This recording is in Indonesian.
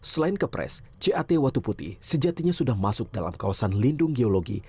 selain kepres cat watu putih sejatinya sudah masuk dalam kawasan lindung geologi